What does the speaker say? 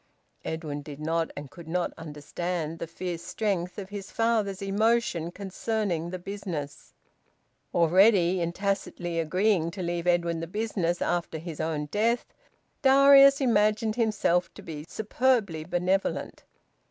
Edwin did not and could not understand the fierce strength of his father's emotion concerning the business. Already in tacitly agreeing to leave Edwin the business after his own death, Darius imagined himself to be superbly benevolent.